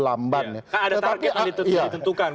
ada target yang ditentukan